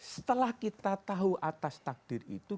setelah kita tahu atas takdir itu